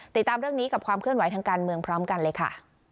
ติดตามเรื่องนี้กับความเคลื่อนไหวทางการเมืองพร้อมกันเลยค่ะ